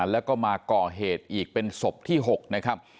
แล้วก็มาก่อเหตุอีกเป็นศพที่๖นะครับ